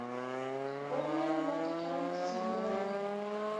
Bonan nokton, sinjoro.